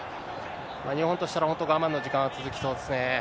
日本としたら、本当、我慢の時間が続きそうですね。